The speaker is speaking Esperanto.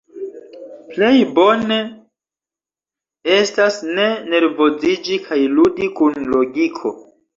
Plej bone estas ne nervoziĝi kaj ludi kun logiko.